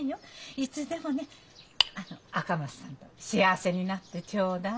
いつでもねあの赤松さんと幸せになってちょうだい。